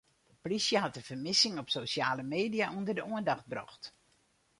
De plysje hat de fermissing op sosjale media ûnder de oandacht brocht.